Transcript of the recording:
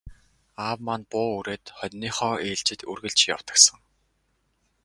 Аав маань буу үүрээд хониныхоо ээлжид үргэлж явдаг сан.